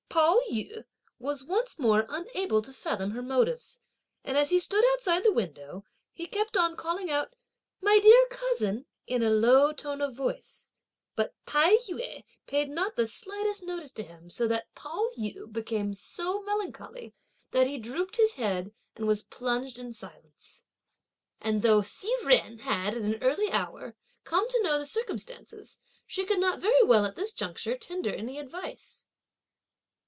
Pao yü was once more unable to fathom her motives, and as he stood outside the window, he kept on calling out: "My dear cousin," in a low tone of voice; but Tai yü paid not the slightest notice to him so that Pao yü became so melancholy that he drooped his head, and was plunged in silence. And though Hsi Jen had, at an early hour, come to know the circumstances, she could not very well at this juncture tender any advice.